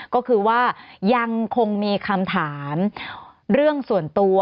ก็คือว่ายังคงมีคำถามเรื่องส่วนตัว